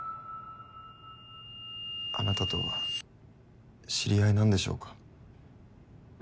あなたとは知り合いなんでしょうか？